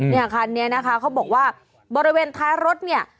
เนี่ยคันนี้นะคะเขาบอกว่าบริเวณท้ายรถเนี่ย